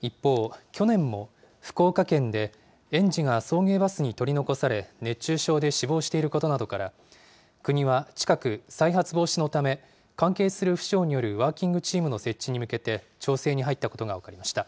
一方、去年も福岡県で園児が送迎バスに取り残され、熱中症で死亡していることなどから、国は近く、再発防止のため、関係する府省によるワーキングチームの設置に向けて、調整に入ったことが分かりました。